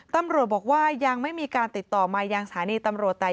ตำรวจบอกว่ายังไม่มีการติดต่อมายังสถานีตำรวจแต่